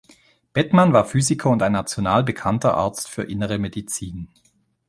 Bettmann war Physiker und ein national bekannter Arzt für Innere Medizin.